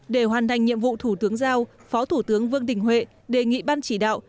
để hoàn thành nhiệm vụ thủ tướng giao phó thủ tướng vương đình huệ đề nghị ban chỉ đạo